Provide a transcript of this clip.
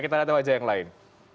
kita lihat wajah yang lain